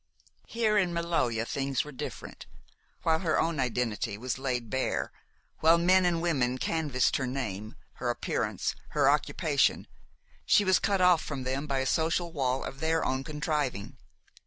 Here in Maloja things were different. While her own identity was laid bare, while men and women canvassed her name, her appearance, her occupation, she was cut off from them by a social wall of their own contriving.